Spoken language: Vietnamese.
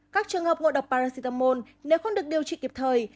các trường hợp ngộ độc paristamol nếu không được điều trị kịp thời